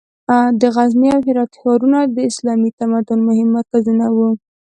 د غزني او هرات ښارونه د اسلامي تمدن مهم مرکزونه وو.